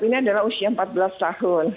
ini adalah usia empat belas tahun